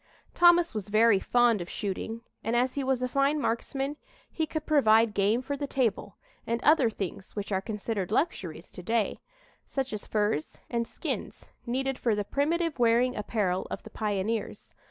Thomas was very fond of shooting and as he was a fine marksman he could provide game for the table, and other things which are considered luxuries to day, such as furs and skins needed for the primitive wearing apparel of the pioneers.